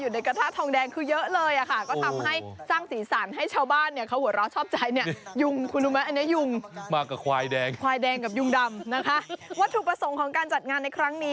วัตถุประสงค์ของการจัดงานในครั้งนี้